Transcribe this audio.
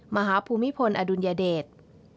ภูมิพลอดุลยเดช